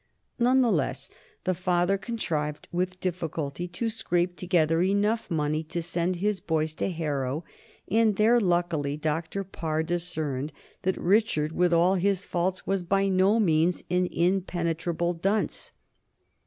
None the less the father contrived with difficulty to scrape together enough money to send his boys to Harrow, and there, luckily, Dr. Parr discerned that Richard, with all his faults, was by no means an impenetrable dunce.